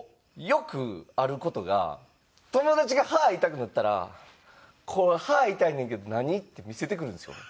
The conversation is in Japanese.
よくある事が友達が歯痛くなったら「これ歯痛いねんけど何？」って見せてくるんですよ。